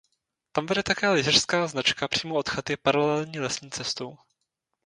Tam vede také lyžařská značka přímo od chaty paralelní lesní cestou.